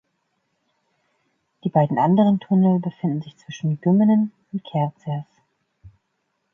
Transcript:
Die beiden anderen Tunnel befinden sich zwischen Gümmenen und Kerzers.